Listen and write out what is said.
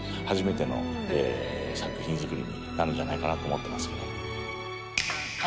初めての作品作りになるんじゃないかなと思ってますけども。